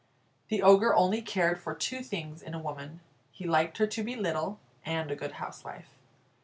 The Ogre only cared for two things in a woman he liked her to be little, and a good housewife.